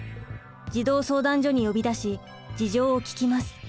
児童相談所に呼び出し事情を聴きます。